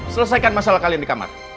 selesaikan masalah kalian di kamar